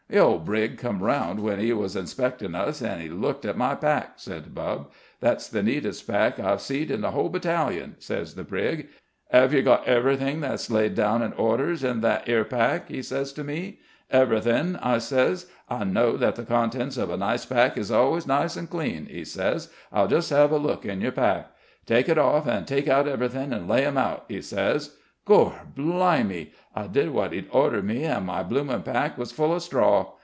"The 'ole Brig come round when 'e was inspectin' us, and 'e looked at my pack," said Bubb. "'That's the neatest pack I've seed in the 'ole battalion,' says the Brig. ''Ave yer got everything that's laid down in orders in that 'ere pack?' 'e says to me. 'Everything,' I sez. 'I know that the contents of a nice pack is always nice and clean,' 'e says. 'I'll just 'ave a look at yer pack. Take it off and take out everything and lay them out,' 'e says. Gor' blimey! I did wot 'e ordered me, an' my bloomin' pack was full of straw.